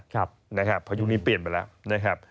เพราะอยู่นี้เปลี่ยนไปแล้ว